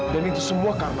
dan itu semua karena mama